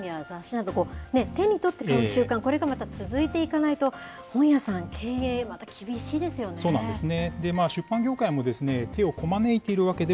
本や雑誌など、手に取って買う習慣、これがまた続いていかないと本屋さん、経営、また厳しいですよね。